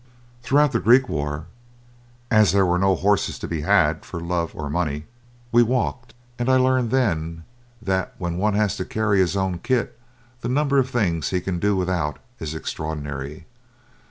Throughout the Greek war, as there were no horses to be had for love or money, we walked, and I learned then that when one has to carry his own kit the number of things he can do without is extraordinary.